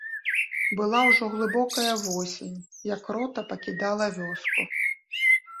Была ўжо глыбокая восень, як рота пакідала вёску.